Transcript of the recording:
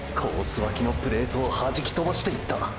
脇のプレートをはじきとばしていった！！